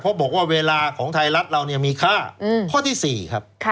เพราะบอกว่าเวลาของไทยรัฐเราเนี่ยมีค่าข้อที่๔ครับ